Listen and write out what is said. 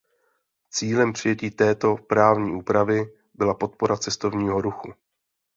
Cílem přijetí této právní úpravy byla podpora cestovního ruchu.